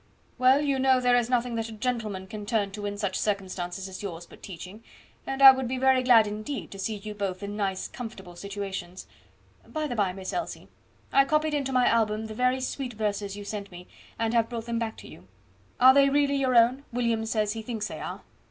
"Well, you know there is nothing that a gentlewoman can turn to in such circumstances as yours but teaching, and I would be very glad indeed to see you both in nice comfortable situations. By the by, Miss Elsie, I copied into my album the very sweet verses you sent me, and have brought them back to you. Are they really your own? William says he thinks they are."